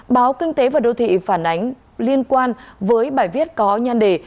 báo kinh tế và đô thị phản ánh liên quan với bài viết có nhan đề